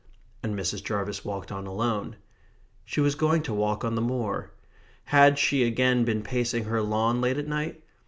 And Mrs. Jarvis walked on alone. She was going to walk on the moor. Had she again been pacing her lawn late at night?